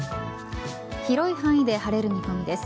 広い範囲で晴れる見込みです。